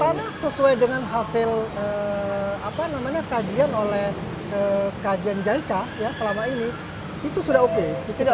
tanah sesuai dengan hasil apa namanya kajian oleh kajian jaica ya selama ini itu sudah oke